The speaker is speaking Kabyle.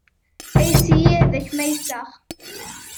Ayes-iyi ad kem-ayseɣ.